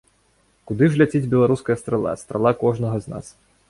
Куды ж ляціць беларуская страла, страла кожнага з нас?